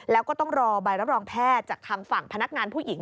แล้วก็ต้องรอใบรับรองแพทย์จากทางฝั่งพนักงานผู้หญิง